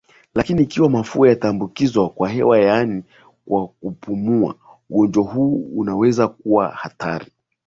Lakini ikiwa mafua yataambukizwa kwa hewa yaani kwa kupumua ugonjwa huu unaweza kuwa hatari